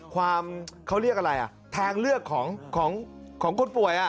ความเขาเรียกอะไรอ่ะทางเลือกของคนป่วย